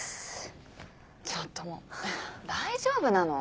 ちょっともう大丈夫なの？